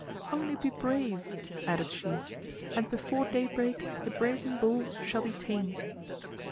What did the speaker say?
"Only be brave," added she, "and before daybreak the brazen bulls shall be tamed."